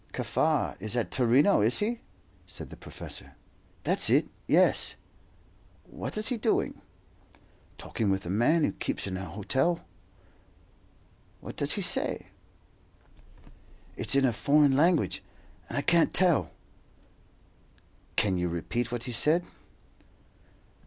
"Kaffar is at Torino, is he?" said the professor. "That's it yes." "What is he doing?" "Talkin' with a man who keeps an hotel." "What does he say?" "It's in a foreign language, and I can't tell." "Can you repeat what he said?"